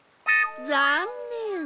ざんねん！